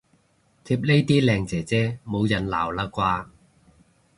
貼呢啲靚姐姐冇人鬧喇啩